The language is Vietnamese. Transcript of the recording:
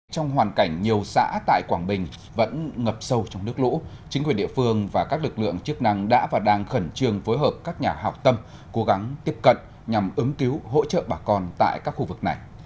trong hoàn cảnh nhiều xã tại quảng bình vẫn ngập sâu trong nước lũ chính quyền địa phương và các lực lượng chức năng đã và đang khẩn trương phối hợp các nhà hào tâm cố gắng tiếp cận nhằm ứng cứu hỗ trợ bà con tại các khu vực này